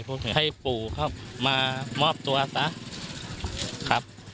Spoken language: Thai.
หรือบอกให้ปู่เข้ามามอบตัวเสีย